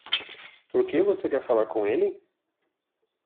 Por que você quer falar com ele?